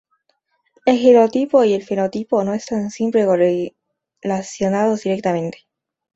El genotipo y el fenotipo no están siempre correlacionados directamente.